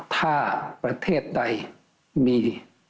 ถ้าประเทศใดมี